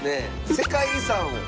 世界遺産？